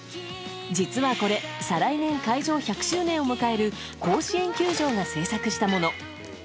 実はこれ、再来年開場１００周年を迎える甲子園球場が制作したもの。